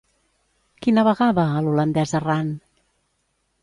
Qui navegava a l'Holandès errant?